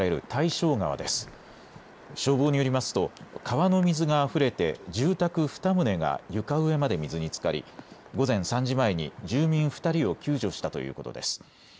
消防によりますと川の水があふれて住宅２棟が床上まで水につかり午前３時前に住民２人を救助したということです。